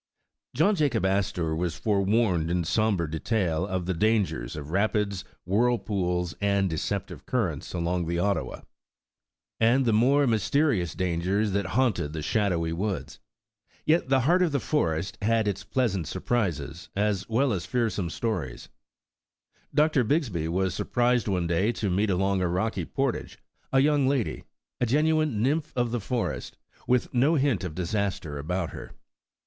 John Jacob Astor was forewarned in somber detail of the danger of rapids, whirlpools, and deceptive cur 114 By Canoe Through the Great Lakes rents along the Ottawa, and the more mysferious dan gers that haunted the shadowy woods. Yet the heart of the forest had its pleasant surprises, as well as fear some stories. Br. Bigsby was surprised one day to meet along a rocky portage, a young lady, a genuine nymph of the forest, with no hint of disaster about her.